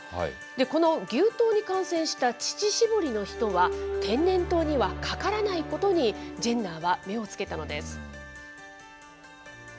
この牛痘に感染した乳搾りの人は、天然痘にはかからないことに、ジェンナーは目をつけたのです。